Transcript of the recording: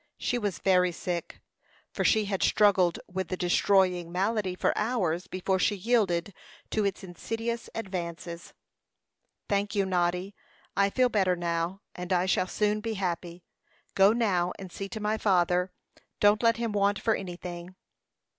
She was very sick, for she had struggled with the destroying malady for hours before she yielded to its insidious advances. "Thank you, Noddy. I feel better now, and I shall soon be happy. Go now and see to my father; don't let him want for anything."